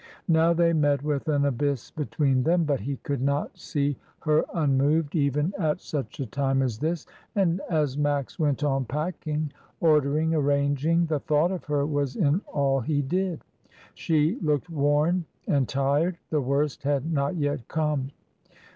Now they met with an abyss between them, but he could not see her unmoved even at ST. CLOUD AFTER THE STORM. 1 95 such a time as this, and as Max went on packing, ordering, arranging, the thought of her was in all he did; she looked worn and tired, the worst had not yet come.